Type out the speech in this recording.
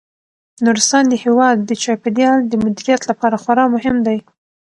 نورستان د هیواد د چاپیریال د مدیریت لپاره خورا مهم دی.